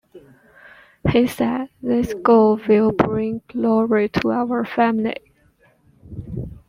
He said, This girl will bring glory to our family.